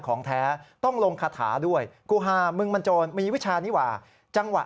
ของแท้ต้องลงคาถาด้วยกูฮามึงมันโจรมีวิชานี้ว่าจังหวะ